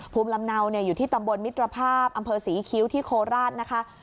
ภูมิลำเนาอยู่ที่ตำบลมิตรภาพอำเภอศรีคิ้วที่โคราชนะคะ